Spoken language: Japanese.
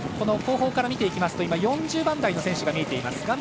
後方から見ますと４０番台の選手が見えていました。